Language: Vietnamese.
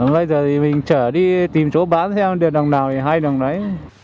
bây giờ thì mình chở đi tìm chỗ bán xem được đồng nào hay đồng đấy